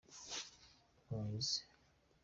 inkuguzi.